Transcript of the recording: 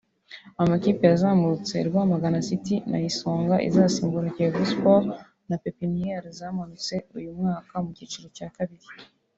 Amakipe yazamutse Rwamagana City na isonga azasimbura Kiyovu Sport na Pepiniere zamanutse uyu mwaka mu cyiciro cya kabiri